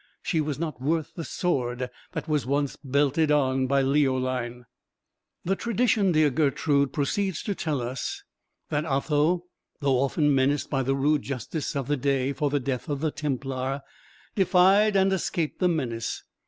she was not worth the sword that was once belted on by Leoline." The tradition, dear Gertrude, proceeds to tell us that Otho, though often menaced by the rude justice of the day for the death of the Templar, defied and escaped the menace.